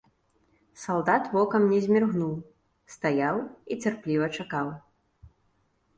Салдат вокам не зміргнуў, стаяў і цярпліва чакаў.